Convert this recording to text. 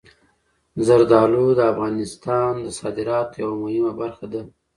زردالو د افغانستان د صادراتو یوه مهمه برخه ده.